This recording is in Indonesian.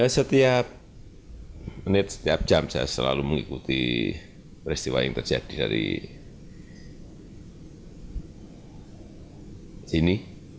setiap menit setiap jam saya selalu mengikuti peristiwa yang terjadi dari sini